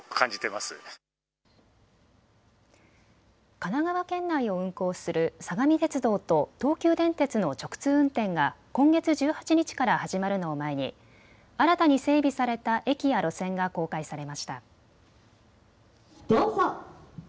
神奈川県内を運行する相模鉄道と東急電鉄の直通運転が今月１８日から始まるのを前に新たに整備された駅や路線が公開されました。